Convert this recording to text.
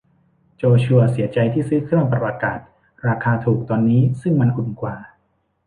โจชัวเสียใจที่ซื้อเครื่องปรับอากาศราคาถูกตอนนี้ซึ่งมันอุ่นกว่า